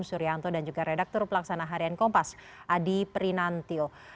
suryanto dan juga redaktur pelaksana harian kompas adi prinantio